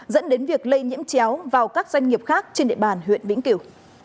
dẫn đến việc lây nhiễm chéo vào các doanh nghiệp khác trên địa bàn huyện vĩnh kiểu